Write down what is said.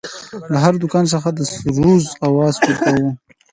له هر دوکان څخه د سروذ اواز پورته و.